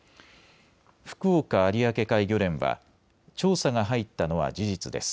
福岡有明海漁連は調査が入ったのは事実です。